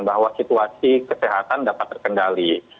bahwa situasi kesehatan dapat terkendali